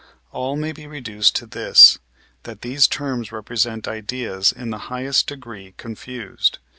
All may be reduced to this, that these terms represent ideas in the highest degree confused.